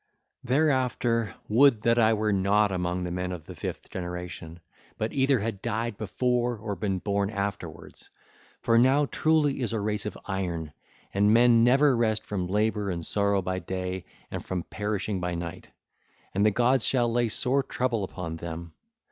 (ll. 170 201) Thereafter, would that I were not among the men of the fifth generation, but either had died before or been born afterwards. For now truly is a race of iron, and men never rest from labour and sorrow by day, and from perishing by night; and the gods shall lay sore trouble upon them.